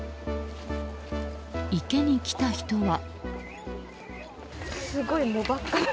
池に来た人は。